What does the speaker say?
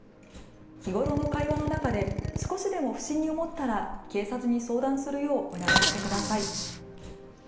日頃の会話の中で少しでも不審に思ったら警察に相談するよう促してください。